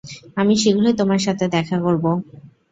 আমি শীঘ্রই তোমার সাথে দেখা করব?